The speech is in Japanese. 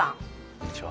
こんにちは。